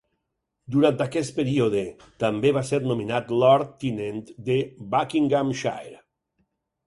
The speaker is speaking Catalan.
Durant aquest període, també va ser nomenat Lord tinent de Buckinghamshire.